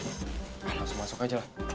langsung masuk aja lah